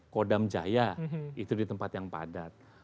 kodam jaya itu di tempat yang padat